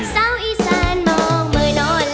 เศร้าอีสานมองเมอร์นอน